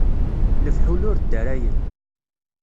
Lefḥul ur ddarayen.